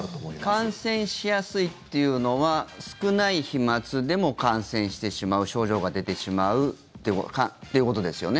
感染しやすいっていうのは少ない飛まつでも感染してしまう症状が出てしまうということですよね？